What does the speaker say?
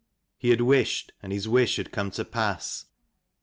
He had wished, and his wish had come to pass.